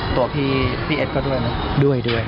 ตัวพี่เอ็ดก็ด้วยมั้ยด้วย